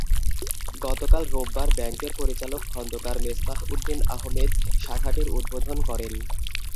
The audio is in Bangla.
গতকাল রোববার ব্যাংকের পরিচালক খন্দকার মেসবাহ উদ্দিন আহমেদ শাখাটির উদ্বোধন করেন।